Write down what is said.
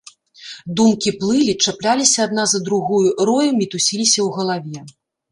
Думкі плылі, чапляліся адна за другую, роем мітусіліся ў галаве.